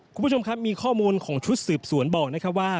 คุณผู้ชมครับมีข้อมูลของชุดสืบสวนบอกนะครับว่า